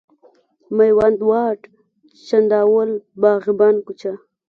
میوند واټ، چنداول، باغبان کوچه،